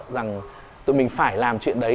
rằng tụi mình phải làm chuyện đấy